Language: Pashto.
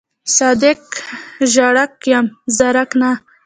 صادق ژړک یم زرک نه.